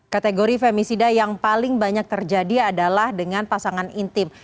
kategori femisida yang paling banyak terjadi adalah dengan pasangan intim